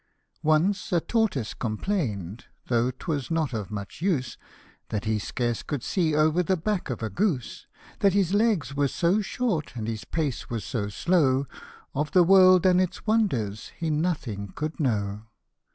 ONCE a tortoise complain'd (though 'twas not of much use), That he scarce could see over the back of a goose ; That his legs were so short, and his pace was so slow, Of the world and its wonders he nothing could know.